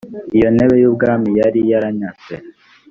iyo ntebe y ubwami yari yaranyazwe